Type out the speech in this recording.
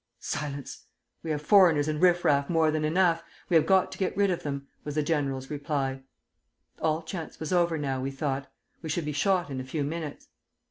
'Silence! We have foreigners and riff raff more than enough. We have got to get rid of them,' was the general's reply. All chance was over now, we thought; we should be shot in a few minutes.